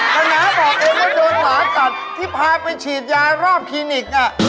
ถ้าน้าบอกเองว่าโดนหมากัดที่พาไปฉีดยารอบคลินิก